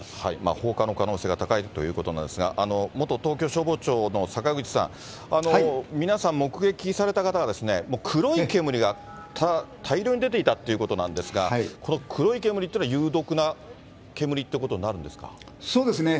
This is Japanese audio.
放火の可能性が高いということなんですが、元東京消防庁の坂口さん、皆さん、目撃された方が黒い煙が大量に出ていたということなんですが、この黒い煙っていうのは、そうですね。